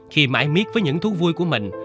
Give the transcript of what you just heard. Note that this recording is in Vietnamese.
khi mãi miết với những thú vui của mình